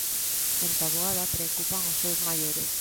En Taboada preocupan os seus maiores.